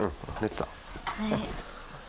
はい。